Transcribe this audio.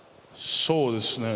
そうですね